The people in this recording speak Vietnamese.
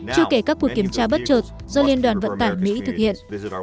chưa kể các cuộc kiểm tra bất chợt do liên đoàn vận tải mỹ thực hiện